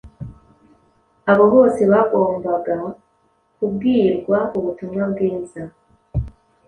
Abo bose bagombaga kubwirwa ubutumwa bwiza.